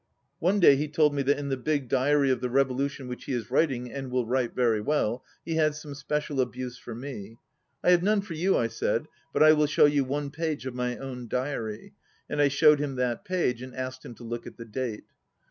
One day he told me that in the big' diary of the revolution which he is writing, and will write very well, he had some special abuse for me. 'I have none for you,' I said, 'but I will show you one page of my own diary,' and I showed him that page, and asked him to look at the date.